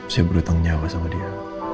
saya berhutang nyawa sama dia